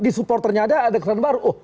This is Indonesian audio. di supporternya ada kesadaran baru